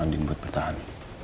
dan andin buat bertahan